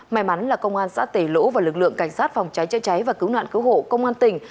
may mắn là công an xã tề lỗ và lực lượng cảnh sát phòng cháy chữa cháy và cứu nạn cứu hộ công an tỉnh